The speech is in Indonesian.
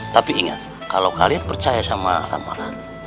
tapi ingat kalau kalian percaya sama ramalan